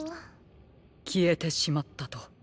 きえてしまったと。